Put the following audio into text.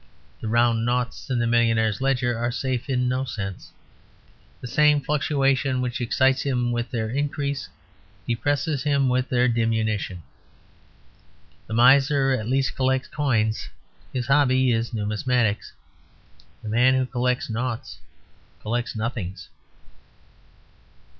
The round noughts in the millionaire's ledger are safe in no sense; the same fluctuation which excites him with their increase depresses him with their diminution. The miser at least collects coins; his hobby is numismatics. The man who collects noughts collects nothings.